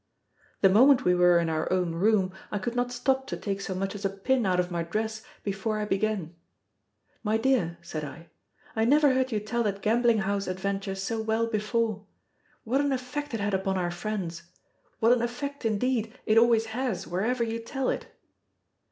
The moment we were in our own room, I could not stop to take so much as a pin out of my dress before I began. "My dear," said I, "I never heard you tell that gambling house adventure so well before. What an effect it had upon our friends! what an effect, indeed, it always has wherever you tell it!"